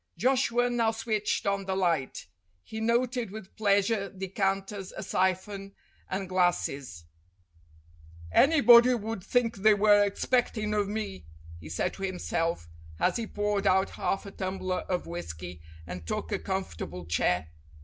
Joshua now switched on the light. He noted with pleasure decanters, a siphon, and glasses. "Anybody THE HERO AND THE BURGLAR 273 would think they were expectin' of me," he said to himself, as he poured out half a tumbler of whisky, and took a comfortable chair.